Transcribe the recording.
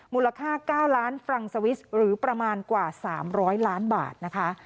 มูลค่า๙ล้านฟรังสวิสหรือประมาณกว่า๓๐๐ล้านบาทนะคะ